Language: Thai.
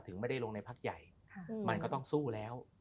ไม่ได้ลงในพักใหญ่มันก็ต้องสู้แล้ว